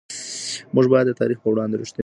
موږ باید د تاریخ په وړاندې رښتیني واوسو.